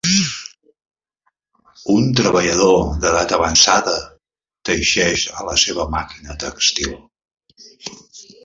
Un treballador d'edat avançada teixeix a la seva màquina tèxtil.